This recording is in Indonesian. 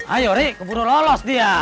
ayo ri keburu lolos dia